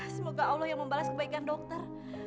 semoga allah yang membalas kebaikan dokter